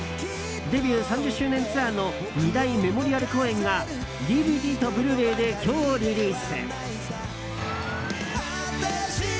デビュー３０周年ツアーの二大メモリアル公演がＤＶＤとブルーレイで今日リリース！